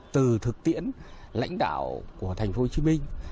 từ thực tiễn lãnh đạo của thành phố hồ chí minh